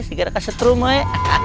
sekarang kaset rumah ya